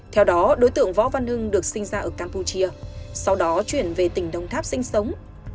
theo đó đối tượng võ văn hưng được sinh ra ở campuchia sau đó chuyển về tỉnh đồng tháp sinh sống